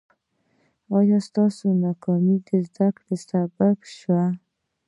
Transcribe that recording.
ایا ستاسو ناکامي د زده کړې سبب شوه؟